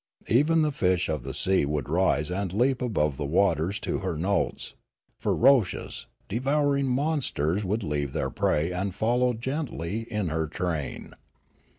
Even the fish of the sea would rise and leap above the waves to her notes; ferocious, devouring monsters would leave their prey and follow gently in her train.